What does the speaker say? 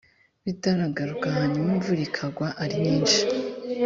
bitaragaruka hanyuma imvura ikagwa ari nyinshi